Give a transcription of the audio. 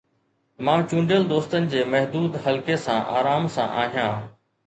مان چونڊيل دوستن جي محدود حلقي سان آرام سان آهيان.